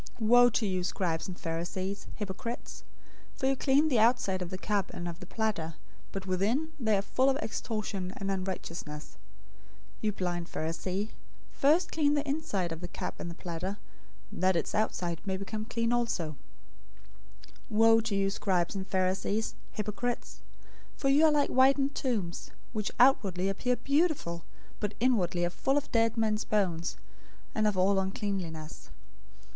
023:025 "Woe to you, scribes and Pharisees, hypocrites! For you clean the outside of the cup and of the platter, but within they are full of extortion and unrighteousness.{TR reads "self indulgence" instead of "unrighteousness"} 023:026 You blind Pharisee, first clean the inside of the cup and of the platter, that the outside of it may become clean also. 023:027 "Woe to you, scribes and Pharisees, hypocrites! For you are like whitened tombs, which outwardly appear beautiful, but inwardly are full of dead men's bones, and of all uncleanness.